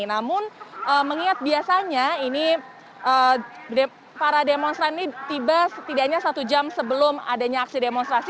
namun mengingat biasanya ini para demonstran ini tiba setidaknya satu jam sebelum adanya aksi demonstrasi